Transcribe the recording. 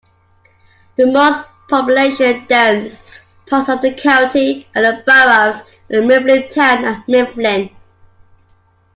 The most population-dense parts of the county are the boroughs of Mifflintown and Mifflin.